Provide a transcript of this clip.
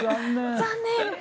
残念。